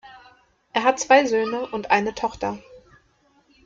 Er hat zwei Söhne und eine Tochter.